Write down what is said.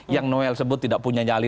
yang noel sebut tidak punya nyali